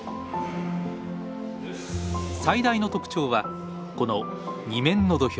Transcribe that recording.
最大の特徴はこの２面の土俵。